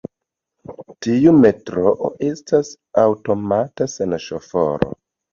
Tiu metroo estas aŭtomata, sen ŝoforo.